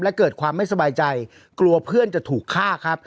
และเกิดความไม่สบายใจกลัวเพื่อนจะถูกฆ่าครับ